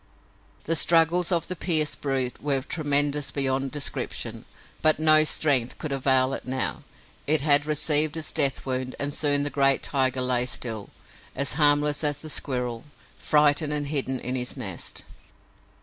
The struggles of the pierced brute were tremendous beyond description, but no strength could avail it now; it had received its death wound and soon the great tiger lay still, as harmless as the squirrel, frightened and hidden in his nest.